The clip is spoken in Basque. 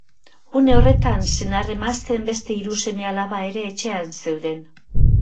Une horretan, senar-emazteen beste hiru seme-alaba ere etxean zeuden.